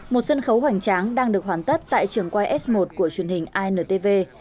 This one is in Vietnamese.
một sân khấu hoành tráng đang được hoàn tất tại trường quay s một của truyền hình intv